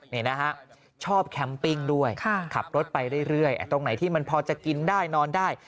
นี่นะฮะชอบแคมปิ้งด้วยขับรถไปเรื่อยตรงไหนที่มันพอจะกินได้นอนได้